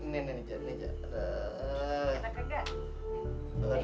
nih nih nih jangan jangan